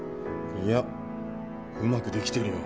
いやうまくできてるよ。